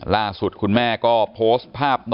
ล่าสุดคุณแม่ก็โพสต์ภาพ